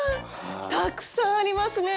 たくさんありますね！